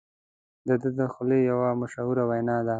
د ده د خولې یوه مشهوره وینا ده.